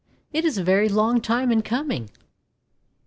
It is a very long time in coming!'